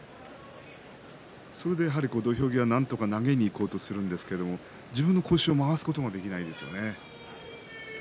それで土俵際なんとか投げにいこうとするんですけれど自分の腰を回すことができないですね。